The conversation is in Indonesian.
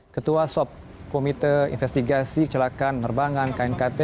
ketua sop komite investigasi kecelakaan nerbangan knkt